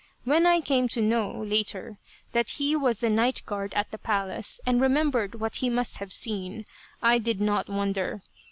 When I came to know, later, that he was the night guard at the palace, and remembered what he must have seen, I did not wonder.